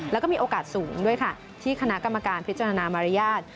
แล้วก็มีโอกาสสูงด้วยค่ะที่คณะกรรมการพิจารณามารยาท